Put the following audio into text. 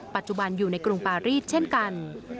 ปัจจุบันอยู่ในกรุงปารีสเช่นกัน